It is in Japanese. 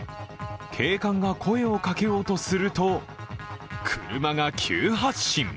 警官が声をかけようとすると車が急発進。